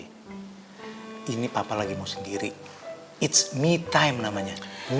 hai ini papa lagi mau sendiri it's me time namanya